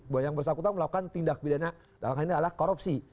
bahwa yang bersangkutan melakukan tindak pidana dalam hal ini adalah korupsi